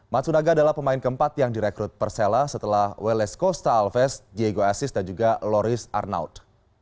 matsunaga adalah pemain keempat yang direkrut persela setelah welas costa alves diego asis dan juga loris arnaud